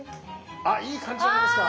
あいい感じじゃないですか！